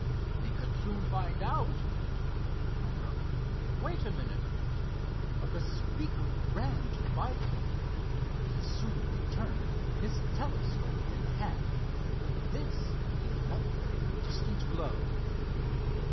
"We can soon find out," declared Elmer. "Wait a minute." The speaker ran to the biplane. He soon returned, his telescope in hand. This he leveled at the distant glow.